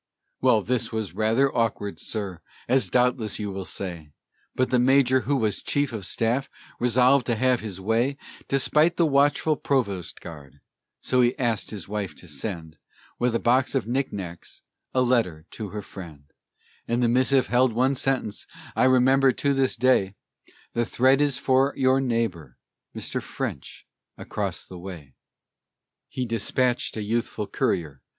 Well, this was rather awkward, sir, as doubtless you will say, But the Major, who was chief of staff, resolved to have his way Despite the watchful provost guard; so he asked his wife to send, With a box of knick knacks, a letter to her friend; And the missive held one sentence I remember to this day: "The thread is for your neighbor, Mr. French, across the way." He dispatched a youthful courier.